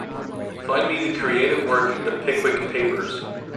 Find me the creative work The Pickwick Papers